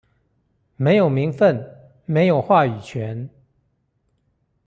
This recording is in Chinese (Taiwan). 沒有名份，沒有話語權